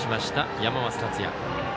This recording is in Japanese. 山増達也。